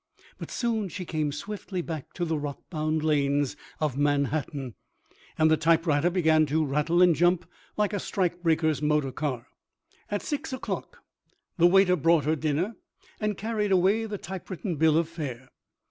But soon she came swiftly back to the rock bound lanes of Manhattan, and the typewriter began to rattle and jump like a strike breaker's motor car. At 6 o'clock the waiter brought her dinner and carried away the typewritten bill of fare.